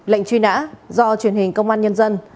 lệnh truy nã do truyền hình công an nhân dân